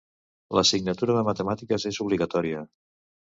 L'assignatura de matemàtiques és obligatòria.